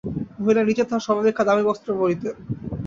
মহিলা নিজে তাঁহার সর্বাপেক্ষা দামী বস্ত্র পরিতেন।